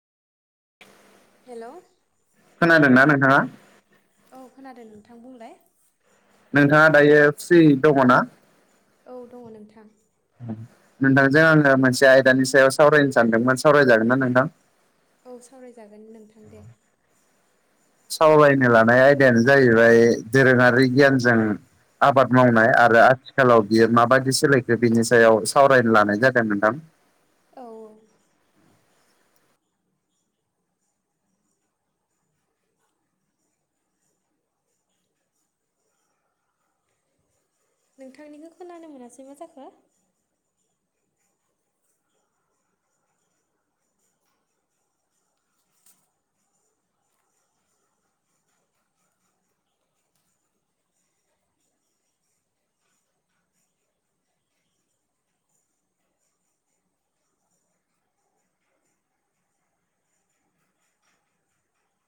Hello खोनादोंना नोंथाङा? औ खोनादो नोंथां बुंलाय। नोंथाङा दायो फ्रि दङ ना? औ दङ नोंथां। नोंथांजों आङो मोनसे आयदानि सायाव सावरायनो सानदोंमोन सावरायजागोन ना नोंथां? औ सावरायजागोन नोंथां दे। सावरायनो लानाय आयदायानो जाहैबाय दोरोङारि गियानजों आबाद मावनाय औ आरो आथिखालाव बियो माबायदि सोलायखो बिनि सायाव सावरायनो लानाय जादों नोंथां। औऔ नोंथांनिखो खोनानो मोनासै मा जाखो